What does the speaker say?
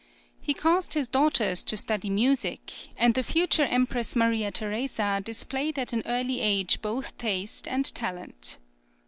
He caused his daughters to study music, and the future Empress Maria Theresa displayed at an early age both taste and talent.